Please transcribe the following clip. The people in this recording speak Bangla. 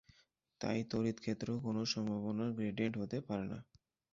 তাই তড়িৎ ক্ষেত্র কোনো সম্ভাবনার গ্রেডিয়েন্ট হতে পারে না।